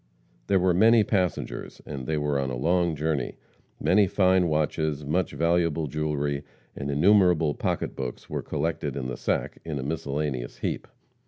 There were many passengers, and they were on a long journey. Many fine watches, much valuable jewelry, and innumerable pocketbooks were collected in the sack, in a miscellaneous heap.